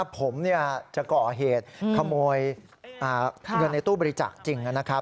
ผมจะก่อเหตุขโมยเงินในตู้บริจาคจริงนะครับ